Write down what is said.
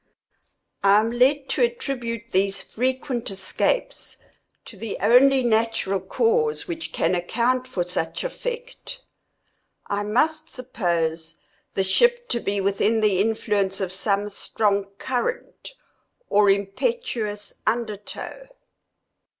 I am led to attribute these frequent escapes to the only natural cause which can account for such effect. I must suppose the ship to be within the influence of some strong current, or impetuous under tow.